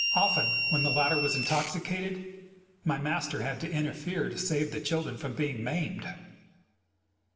Often, when the latter was intoxicated, my master had to interfere to save the children from being maimed.